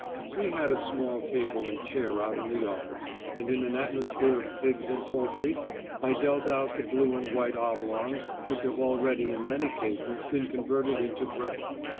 We had a small table and chair out in the yard, and in an atmosphere of pigs and poultry I dealt out the blue and white oblongs which have already in many cases been converted into bread.